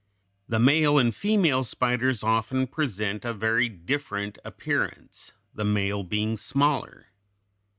] The male and female spiders often present a very different appearance, the male being smaller.